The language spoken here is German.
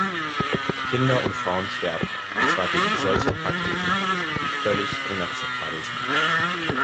Kinder und Frauen sterben, und zwar wegen solcher Praktiken, die völlig inakzeptabel sind.